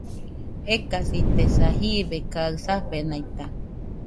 Ekasitesa, jibe kaɨ safenaita